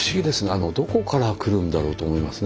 あのどこからくるんだろうと思いますね。